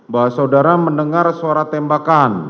bahwa saudara mendengar suara tembakan